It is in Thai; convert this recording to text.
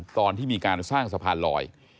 ตอนที่มีการสร้างสะพานลอย